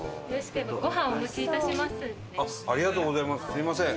すみません。